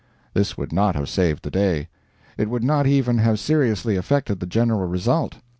This would not have saved the day. It would not even have seriously affected the general result.